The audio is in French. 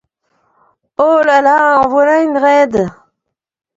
Oh! la, la, en voilà une raide !...